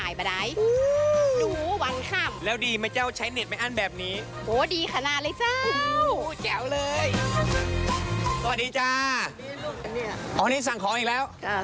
อย่างนี้มันไม่ฟางเล่าเหรอเจ้า